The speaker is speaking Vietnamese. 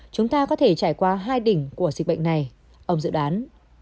chúng ta có thể trải qua hai đỉnh của dịch bệnh này ông dự đoán